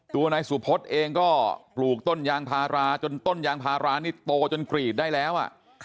ตัวนายสุพธเองก็ปลูกต้นยางพาราจนต้นยางพารานี่โตจนกรีดได้แล้ว